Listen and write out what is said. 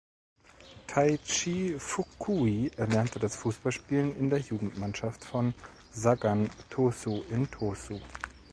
Taichi Fukui erlernte das Fußballspielen in der Jugendmannschaft von Sagan Tosu in Tosu.